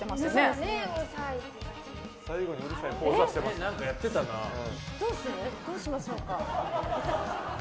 最後にどうしましょうか。